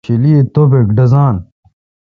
خوشیلی توبک ڈزان۔